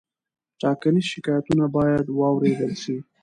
ټاکنیز شکایتونه باید واوریدل شي.